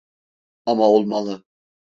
Ama olmalı.